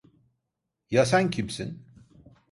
Ya sen kimsin?